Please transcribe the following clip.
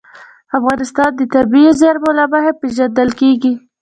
افغانستان د طبیعي زیرمې له مخې پېژندل کېږي.